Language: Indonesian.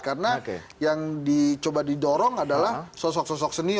karena yang dicoba didorong adalah sosok sosok senior